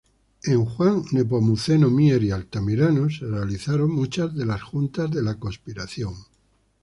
Juan Nepomuceno Mier y Altamirano, se realizaron muchas de las juntas de la conspiración.